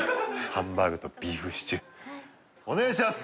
ハンバーグとビーフシチューお願いします！